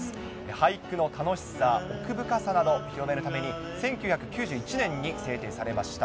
俳句の楽しさ、奥深さなど、広めるために、１９９１年に制定されました。